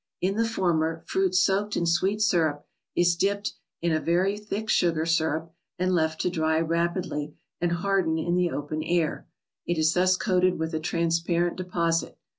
In the former, fruit soaked in sweet syrup is dipped in a very thick sugar syrup and left to dry rapidly and harden in the open air; it is thus coated with a transparent deposit.